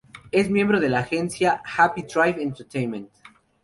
Es miembro de la agencia "Happy Tribe Entertainment".